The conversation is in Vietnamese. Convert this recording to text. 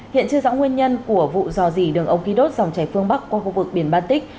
hiện chưa rõ nguyên nhân của vụ rò rỉ đường ống ký đốt dòng chảy phương bắc qua khu vực biển baltic